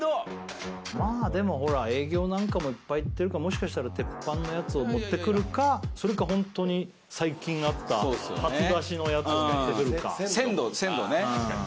まあでもほら営業なんかもいっぱい行ってるからもしかしたら鉄板のやつを持ってくるかそれか本当に最近あった初出しのやつを持ってくるか鮮度鮮度ね